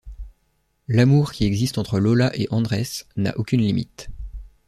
L’amour qui existe entre Lola et Andrés n’a aucune limite.